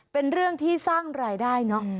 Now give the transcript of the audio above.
เป็นเรื่องที่สร้างรายได้เนอะ